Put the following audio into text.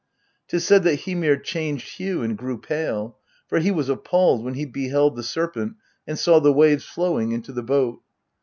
'Tis said that Hymir changed hue and grew pale, for he was appalled when he beheld the serpent and saw the waves flowing into the boat.